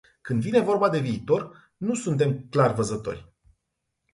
Când vine vorba de viitor, nu suntem clarvăzători.